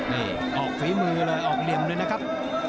นี่ออกฝีมือเลยออกเหลี่ยมเลยนะครับ